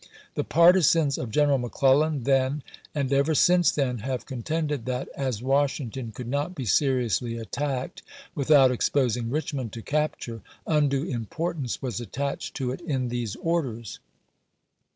The partisans chap. x. of General McClellan then, and ever since then, have contended that, as Washington could not be seriously attacked without exposing Richmond to capture, undue importance was attached to it in these orders.